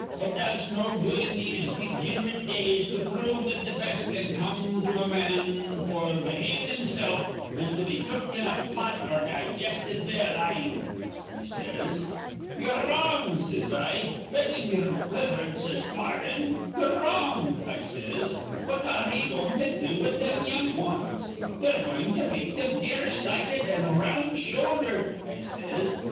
'It does no good in these degin'rate days to prove that th' best that can come to a man f'r behavin' himsilf is to be cooked in a pot or di gisted be a line,' he says. 'Ye're wrong,' says I. 'Beggin' ye'er riv'rince's pardon, ye're wrong,' I says. 'What ar re ye goin' to do with thim young wans? Ye're goin' to make thim near sighted an' round shouldered,' I says.